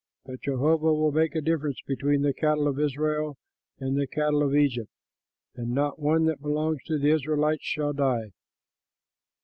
But Jehovah will make a difference between the cattle of Israel and the cattle of Egypt, and not one that belongs to the Israelites shall die.'"